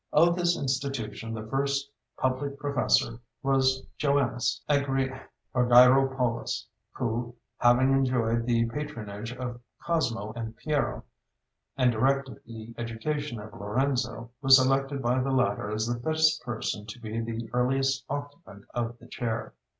Of this institution the first public professor was Joannes Argyropoulos, who, having enjoyed the patronage of Cosmo and Piero, and directed the education of Lorenzo, was selected by the latter as the fittest person to be the earliest occupant of the chair.